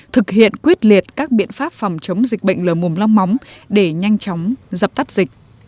thực hiện quyết liệt các biện pháp phòng chống dịch bệnh lờ mồm long móng để nhanh chóng dập tắt dịch